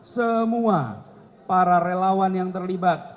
semua para relawan yang terlibat